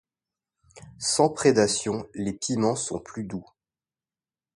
Sans prédation, les piments sont plus doux.